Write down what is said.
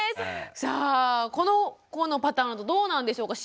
さあこの子のパターンどうなんでしょうか汐見さん。